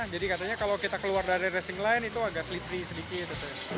jadi katanya kalau kita keluar dari racing line itu agak slippery sedikit